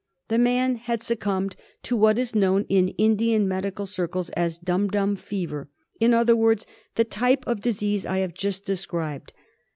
The man had succumbed to what is known in Indian medical circles as Dum Dum Fever, in other words the type of disease I have just described.